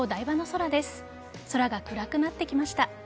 空が暗くなってきました。